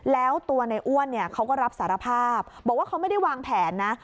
แล้วตัวในอ้วนเนี่ยเขาก็รับสารภาพบอกว่าเขาไม่ได้วางแผนนะ